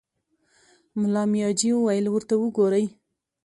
ملا مياجي وويل: ورته وګورئ!